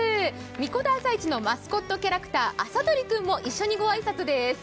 神子田朝市のマスコットキャラクターも一緒にご挨拶です。